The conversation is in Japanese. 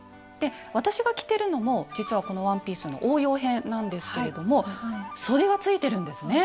私が着てるのも実はこのワンピ―スの応用編なんですけれどもそでがついてるんですね。